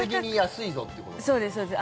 そうです、そうです。